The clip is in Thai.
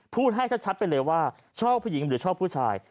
พูดให้ชัดไปเลยว่าชอบผู้หญิงหรือชอบผู้ชาย